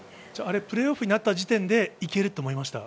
プレーオフになった時点で、いけると思いました？